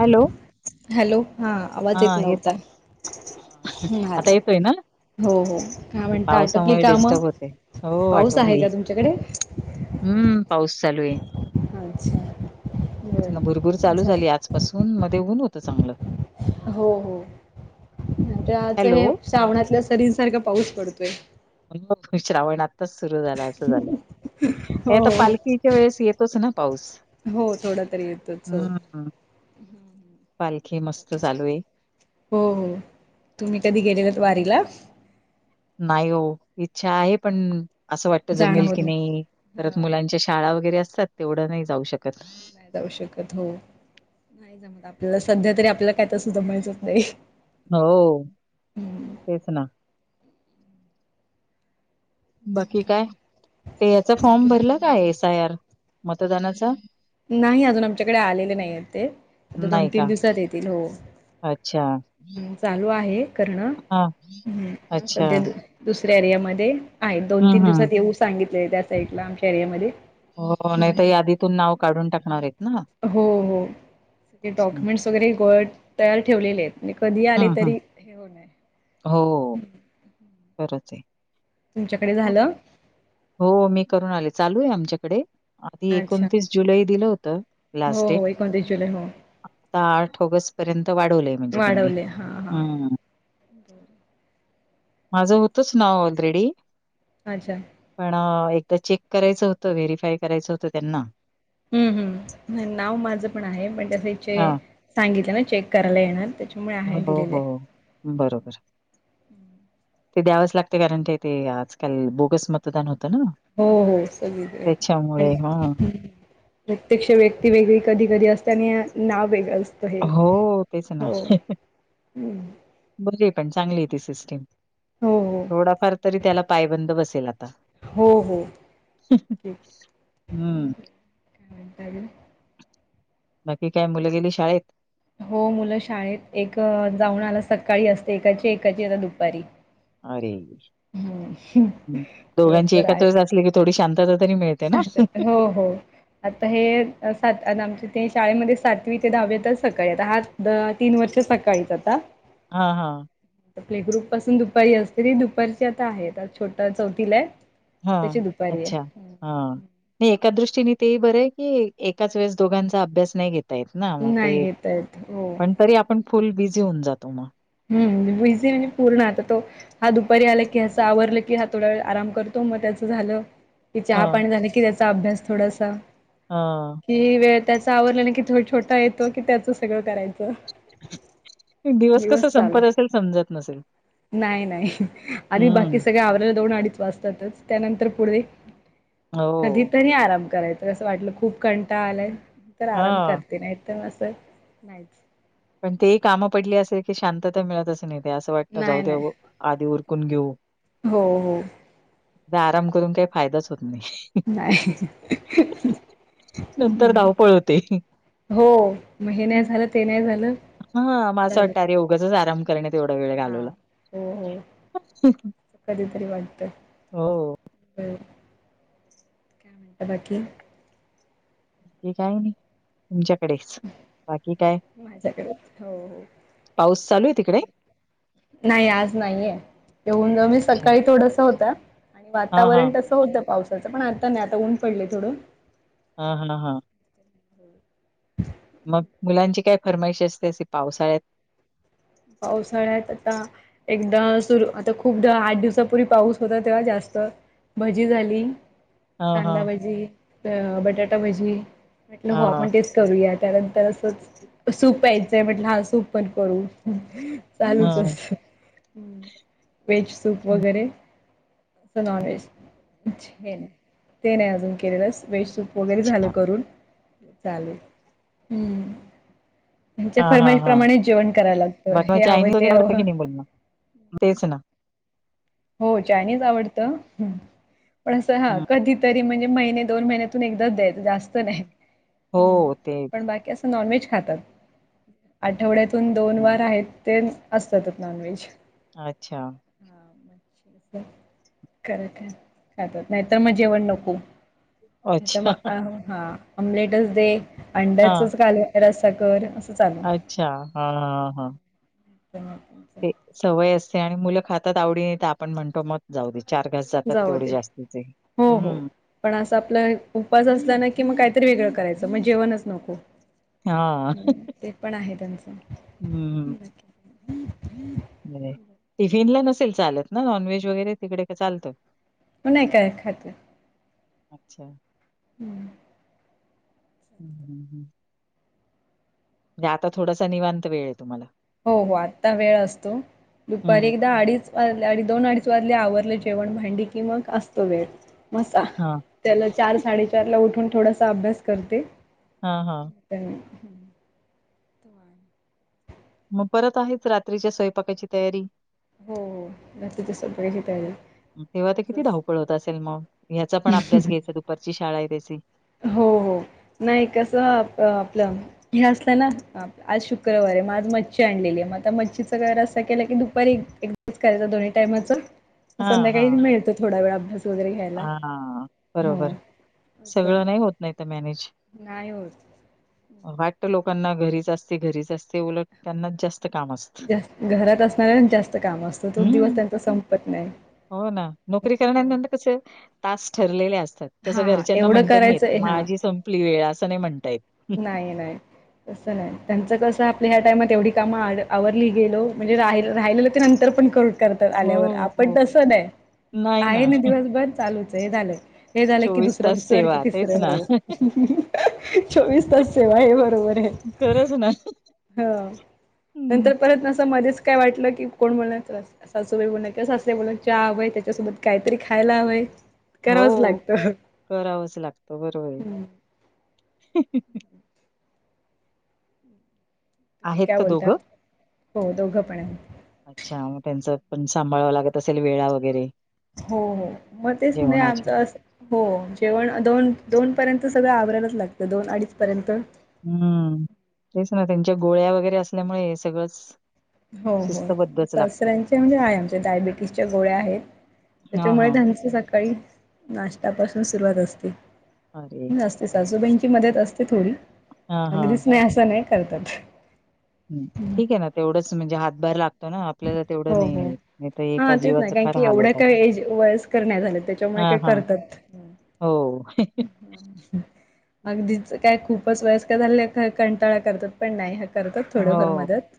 Hello hello हां आवांज येतं नव्हतां आंता येतोय नां हो हो काय हे म्हणता आटपली पावसांमुळे कामं डिस्टर्ब होते हो पाऊस आहे आंटोपली का तुमच्याकडे हम्मं पाऊस चालूं आहे अच्छा भूरभूर बरं चालूं झाली झालं आंज बसूंन मध्यें ऊंन होतं चांगलं हो हो त्यांचं हॅलो. हे श्रावणांतल्या सरींसांरखा पाऊस पडतोय मं मंग श्रावणांत. आताचं सुंरु झालांं असं झालं हे हो आंता हो पालखीच्या वेळेस येतोच नां पाऊस. हो थोडा तरी येतोच हो हम्मं पालखी मस्तं चालूं आहे. हो हो तुम्हीं कधीं गेलेल्या कां वारीला. नाहीं हो ईच्छा आहे पणं असं वाटतं जाणं जमेल होत की नाही नाहीं परंत मुलांच्या शाळां वगैरें असतांत तेवढं नाहीं जाऊं शकतं नाहीं जाऊं शकतं हो नाहीं मं आपल्यांला संध्या तरी आपल्यांला कायं तरं सुद्धां जमायचं नाहीं हो तेचं नां बाकी कायं ते यांचा फॉर्म ओके भरला कायं एस आय आर मतदानांचा नाहीं अजूंन आमच्यांकडे आलेले नाहीं आहेत ते आंता दोन नाही का तीनं दिवसांत येतील हो अच्छा हं चालूं आहे करणं हा हम्मं अच्छा संध्या दुसऱ्यां एरिया मध्यें आहे दोन तीनं हम्म हम्म दिवसांत येऊं सांगितले त्या साईडला आमच्या एरियामध्यें हो नाहीं तरं यादीतूंन नांव काढूंन टाकणारं आहेतं नां सगळें वडं तयार ठेवलेले आहेतं म्हं कधीं आले हम्म हम्म तरी हे हो नये हो गरचं आहे तुमच्यांकडे झालं हो मी करूंन आले चालूं आहे आमच्यांकडे आधी अच्छा एकोणतीस जुलै दिलं होतं हो हो एकोणतीस जुलै हो आंता आठ ऑगस्ट पर्यंत वाढवलंय म्हणजे त्यांनी हम्मं बरं माझं होतंच नांव ऑलरेडी अच्छा पणं एकदाचं चेक करायचं होतं व्हेरीफाय करायचं होतं त्यांनां हम्मं हम्मं नांव माझं पणं आहे पणं त्यांसचे हा सांगितलं नां चेक करांयला येणारं त्यांच्यामुळे आहे हो दिलेलं हो आहे बरोबर ते द्यावचं लागते कारणं ते ते आंजकांल बोगस मतदांन होतं नां हो हो सगळीं ते हा आणि प्रत्यक्षं व्यक्ती वेगळी कधीं कधीं असते आणि नांव वेगळं असतं हे तेच ना हो हम्मं बरी आहे पण चांगलीय ती सिस्टीम. हो हो. थोडाफार तरी त्याला पायबंद बसेल आता. हो, हो, होठी हम्म काय म्हणेल. [inaudible] बाकी काय मुलं गेलज शाळेत? हो मुलं शाळेत एक जाऊन आला सकाळी असते एकाची एकाची आता दुपारी. अरे हम्म दोघांची दिवसभर आहे एकत्रच असली की थोडी शांत तरी मिळते ना. शांतता हो हो. आता हे सात आमचे ते शाळेमध्ये सातवी ते दहावीतच सकाळी आता हा तीन वर्ष सकाळीच आता. हा हा. प्ले ग्रुप पासून दुपारी असते ती दुपारीची आता आहे छोट चौथीला आहे. हा त्याची दुपारी आहे. अच्छा हा नाही एका दृष्टीने तेही बरं आहे की एकाच वेळेस दोघांचा अभ्यास नाही घेत तेचन मग नाही ते घेता येत हो पण तरी आपण फुल बिझी होऊन जातो मग. हम्म, बिझी म्हणजे पूर्ण आता तो हा दुपारी आला की ह्याच आवरल की हा थोडा वेळ आराम करतो मग त्याचं झालं कि चहा हं पाणी झालं की त्याचा अभ्यास थोडासा हा. की वेळ त्याच आवरडल नाही की थो छोटा येतो की त्याच सगळ करायचं. दिवस कस संपत असेल समजत नसेल. नाही, नाही आणि बाकी हं. सगळे आवरायला दोन, अडीच वाजतातच त्यानंतर पुढे हो. कधीतरी आराम करायचं कसं वाटलं खूप कंटा आलाय तर आराम कर हां. ते नाही तर असच नाहीच. पण ते ही काम पडली असेल की शांतता मिळतच नाही ते असं वाटत नाही जाऊ दे नाही आधी उरकून घेऊ. हो हो. आराम करून काही फायदाच होत नाही. नाही. नंतर धावपळ होते. हो म हे नाही झाल, ते नाही झालं हा म असं चालेल वाटतरे उगचच आराम करण्यात तेवढा वेळ हा घालवला हो हो हो हम् [inaudible] बाकी? ते काय नाही. तुमच्या कडेच. माझ्याकडे हो हो. पाऊस चालू त नाही आज नाहीये येऊन जाऊ मी अच्छा. सकाळी थोडस होत. आणि हां, हां. वातावरण तसं होतं पावसाचं पण आता नाही आता ऊन पडले थोड. हा हा हा हा. मग मुलांची काय फरमाईश असते अशी पावसाळ्यात? पावसाळ्यात आता एकदा सुरू आता खूपदा आठ दिवसापूर्वी पाऊस होता तेव्हा जास्त भजी झाली हां, कांदा हां. भजी, त बटाटा भजी, म्हटलं हो हां. आपण टेस्ट करूया, त्यानंतर असच सूप प्यायचंय, म्हंटल हा सूप पण करू. चालूच हां. असत, वेज सूप वगैरे फक्त नॉन व्हेज, च्छ, ते नही अजून केलेलंस, व्हेज सुप वगैरे अच्छा झालं करून, चालू, हम् त्यांच्या हां, हां, फरमाईश हां. प्रमाणेच जेवण करायला लाग बाकी म चायनीज वगैरे आवडतं की नाही, मुलींना? तेच ना हो चायनीज आवडत, पण असं हं, कधीतरी, म्हणजे महिने, दोन-महिने तुन एकदाच द्यायचं, जास्त नही, हो तेच. पण बाक की असं नॉनव्हेज खातात, आठवड्यातून दोन वार हं. आहेत, ते असतात नॉनव्हेज. अच्छा. [unintelligible] खर काय, नाहीत म जेवण नको. नहीं त अच्छा. मग, अ ह अमलेटच दे, हां. अंड्याचच खाले रसा कर, अस अच्छा हंअ हं. प [unintelligible] ते सवय असते आणि मुलं खातात आवडीन, त आपण म्हणतो मग जाऊ दे, चार घास जातात, जाऊ तेवढे दे जास्तीचे, हो हो. हम्म. पण असं आपल उपास असला ना कि, मग काहीतरी वेगळं करायचं, मग जेवणच नको. हां. हम्, ते पण आहे त्यांचं. टिफिन ला नसेल चालत ना, नॉनव्हेज वगैरे तिकडे, का चालत? नही काय, खात. अच्छा. [unintelligible] [inaudible] नय आता थोडासा, निवांत वेळ ये, तुम्हाला. हो हो आत्ता वेळ असतो, दुपारी हं. एकदा अडीच वाजले आणि दोन-अडीच वाजले, आवरले जेवण, भांडी की, मग असतो वेळ. मसा हां. त्याला चार-साडेचार ला उठून, थोडासा अभ्यास करते. हं हां. त्यां. मग परत आहेच रात्रीच्या, स्वयपाकाची तयारी? हो. रात्रीच्या स्वयंपाकाची तयारी तेव्हा ते किती धावपळ आजच होत असेल म, ह्याचा पण अभ्यास घ्यायचा दु पारची शाळाय त्याची. हो हो नही, कसं अ-अपलं हे असत ना अ आज शुक्रवार ये, म आज मच्छी आणलेली ये, म आता मच्छीचा काय रस्सा केला की, दुपारी एक्-एक् दाच करायचा, दोन्ही टायमचा, म संध्याकाळी मिळतो थोडा वेळ अभ्यास वगैरे घ्यायला. आं, हो बरोबर. असं सगळं नाही होत, नाहीत मॅनेज नाही होत. वाटतं लोकांना घरीच असते, घरीच असते, उलट त्यांनाच जास्त काम अस जास, घरात असणा्या जास्त काम असतं, तो दिवस हं, त्यांचा संपत नाही. हो ना, नोकरी करणाऱ्या णा त कसं तास ठरलेले असतात, तसं हा घरच्यांना एवढं म्हणता नही येत, करायचंय माजी संपली वेळ, असं नही म्हणता येत. नाहीं नाहीं. तसं नाहीं त्यांचं कसं आपल्या ह्यां टाइमांत एवढी कामं आवरली गेलो म्हणजे रां राहिलेलं ते नंतर पणं करूं. करतांत आल्यांवर हो, आपणं हो. तसं नाहीं नाही आहे ना. नां दिवसंभर चालूंच आहे हे झालंय हे झालं की दुसरं तास दुसऱ्यां कि सेवा तेच तिसरं ना. हो. हं चोवीस तांस सेवा आहे बरोबर आहे. खरंच ना. हं हं. नंतर परतं असं मध्येचं कायं वाटलं की कोणं बोलणारंचं सांसूबाई बोलणं की सासूं बोलणारचं चहा हवंय त्यांच्यासोबतचं कांहींतरी खांयला हवंय. करावंच हो लागतं हम्म. करावंच लागतं बरोबर आहे. तुम्हीं आहेत कायं का बोलतां दोघं? हो दोघं पणं आहे. अच्छा मंग त्यांचं पणं सांभाळवं लागतं असेल वेळां वगैरें. हो हो मंग तेचं म्हे आमचं असं. हो जेवणं दोन दोन पर्यंत सगळं आवरायचं लागतं दोन अडीच पर्यंत. हम्मं तेचं नां त्यांच्या गोळ्यां वगैरें असल्यामुळें सगळंच. हो हो शिस्तबद्धच लागतं. सासऱ्यांचे म्हणजे आहेय आमचे डायबिटीसच्यां गोळ्यां आहेतं. हां, त्यांच्यामुळे हां. त्यांचं सकाळीं नाश्तांपासूंन सुरुवांत असते. अ रे. सासूबाईची मंदत असते थोडी हां, हां. अगदीच नाहीं असं नाहीं करतं. ठीक आहे नां तेवढंच म्हणजे हातभार लागतो. नां आपल्याला तेवढं हो नाहीं हो नाहीं तरं हा एकां जीवांचे फांर हांल होतांत करण्यां झालं त्यांच्यामुळे कायं ते करतांत हो अगदींच कायं खूपचं वयस्कंर झाले कंटाळा करतांत पणं नाहीं हां करतांत थोडंफार मंदत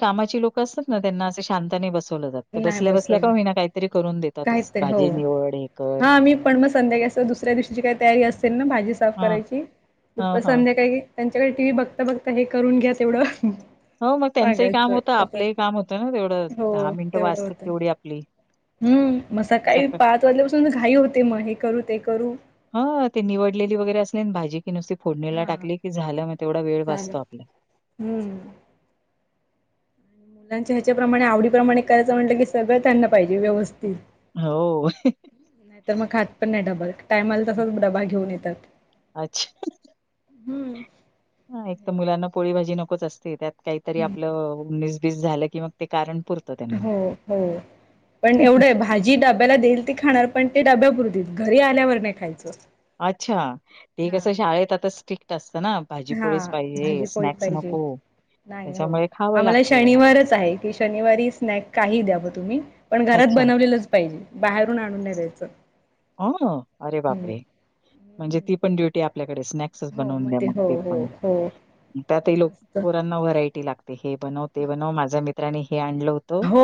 कामांची लोकं असतांत नां त्यांना असे शांताने नाहीं बसवलं जातं ते नाही बसल्यां बसल्यां बसवलं कायं होईना कांहींतरी करूंन देतांतच काहीतरी हो भाजी निवड हे करं दुसऱ्यां दिवशीची कांहीं तयारी असेल नां भाजी साफ हां, करायचीप हां, हां. संध्याकाळी त्यांच्याकडे टी व्ही बघतां बघतां हे करूंन घ्या तेवढं हो मंग त्यांचंही कामं सांगायचं होतं का तर आपलंही कामं होतं नां तेवढं हो दहा मिनटं वाचतांत तेवढी आपली हम्मं मं सकाळीं सक पांच वाजल्यांपासून तरं घाई होते मंग हे करूं ते करूं हं ते निवडलेली वगैरें असले भाजी की नुसती फोडणीला हा टाकली की झालं मंग तेवढा वेळं वाचतो आपलां. हम्मं. त्यांच्या ह्यांच्यावर हां आवडी प्रमाणे कराचं म्हटलं की सगळं त्यांनां पाहिजे व्यवस्थित. हो. नाहीं तरं मंग खातं पणं नाहीं डब्बा टायमांला तसंच डब्बा घेऊन येतांत अच्छा हं एक तरं मुलांना पोळी भाजी नकोच असते त्यांत कांहींतरी आपलं झालं की मंग ते कारणंपूर हो हो पणं एवढं आहे भाजी जी डब्यांला देईल ती खाणांर पणं ते डब्यां पुरतील घरी आल्यावर नाहीं खायचं अच्छा ते कसं शाळेत आंता स्ट्रिक्ट असतं नां हां भाजी पोळी पाहिजे नाहीं हो त्याच्यामुळे खावं आम्हांला लागतं. शनिवारचं आहे की शनिवारी स्नॅक कांहीं द्यावं तुम्हीं पणं घरांत अच्छा. बनवलेलंच पाहिजे बाहेरून आंणून नाहीं द्यायचं अं अरे हम्म. बापरे म्हणजे ती पणं ड्युटी आपल्याकडे स्नॅक् तसंच हो बनूंन मग द्या मंग हो ते हो पणं हो त्यांतही लोकं मस्त पोरांना व्हेरायटी लागते हे बनवलं ते बनवं माझ्या मित्रानी हे आणलं होतं हो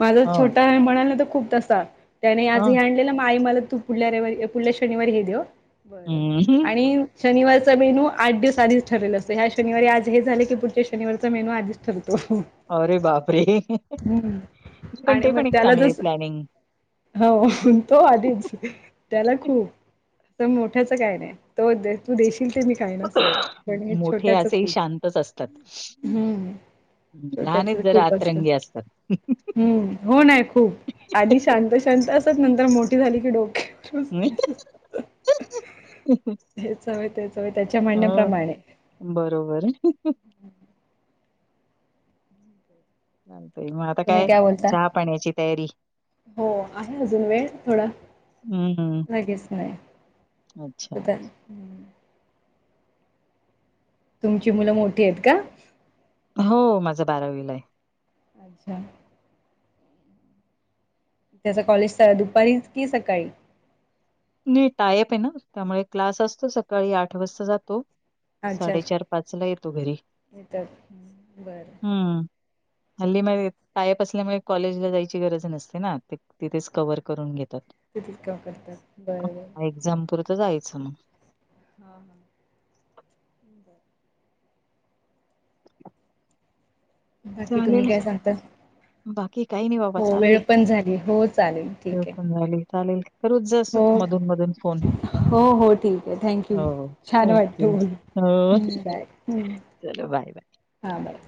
माझा हं छोटा म्हणालाना तर खूप तसा त्याने आज हं हे आणलेलं मा आई मला तूप पुढल्या रविवारी पुढल्या शनिवारी हे देऊ बरं हं आणि शनिारचा मेनू आठ दिवस आधीच ठरलेला असतं ह्या शनिवारी आज हे झाले की पुढ शनिवारचा मेनू आधीच ठरतो. अ रे बाप रे. हम्म आणि मग त्याला आहे जस प्लॅनिंग. हो तो आधीच त्याला खूप तर मोठ्याच काय नाही तो तू देशील ते मी काही नसते पण मोठे छोट्याच असेही खूप, हम्म. लहानेच छोट्याच जरा खूप असतं आतरंगी असतात. हम्म हो ना खूप आधी शांत, शांत असत नंतर मोठी झाली की डोक्या हेचव, तेचव त्याच्या हो म्हणण्याप्रमाणे. बरोबर आहे. चालतय मग आता तुम्ही काय? बोलता? चहा पाण्याची तयारी. हो आहे अजून वेळ थोडा हं. लागेच नाही. अ अच्छा. ह् [inaudible] तुमची मुलं मोठी आहेत का? हो माझा बारावीला आहे. अच्छा. त्याच कॉलेज स दुपारी की सकाळी? नाही टायप आहे ना त्यामुळे क्लास असतो सकाळी आठ वाजता जातो. अच्छा साडेचार, पाच ला येतो घरी, येतात बरं हम्म. हल्ली मायवेप पायप असल्यामुळे कॉलेजला जायची गरज नसते ना ते. तिथेच कवर करून घेतात. तिथे काम करता बर, बर. जमपूरत जायचं मग. हा हा बर. बाकी तुम्ही चालेल काय सांगता? बाकी काही नाही बाबा हो चालू वेळ आहे पण झाली हो चालेल ज ठीक आहे. पण झाली चालेल. करूच जसच हो मधून, मधुन फोन. हो हो ठीक आहे थँक यू हो छान वाटत ओके बोल हो बाय. चलो बाय, बाय. हा बाय.